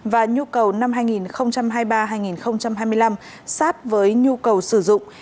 và nhu cầu năm hai nghìn hai mươi ba hai nghìn hai mươi năm sát với nhu cầu sử dụng